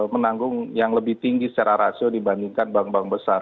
menanggung yang lebih tinggi secara rasio dibandingkan bank bank besar